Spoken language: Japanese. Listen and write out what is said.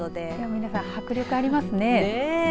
皆さん迫力ありますね。